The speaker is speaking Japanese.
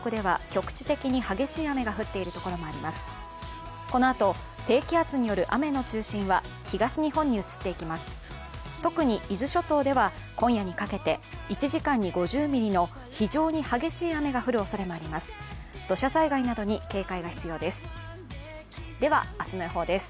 特に伊豆諸島では今夜にかけて１時間に５０ミリの非常に激しい雨が降るおそれもあります。